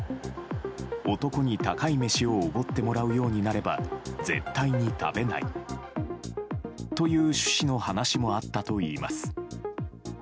男に高い飯をおごってもらうようになれば絶対に食べないという趣旨の話もあったといいます。